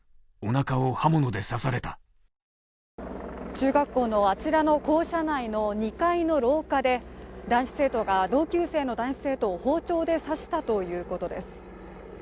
中学校のあちらの校舎内の２階の廊下で男子生徒が同級生の男子生徒を包丁で刺したということです。